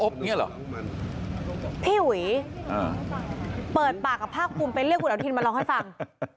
พี่หวีเปิดปากกับผ้ากลุมเป็นเรื่องราวทืนมาลองให้ฟัง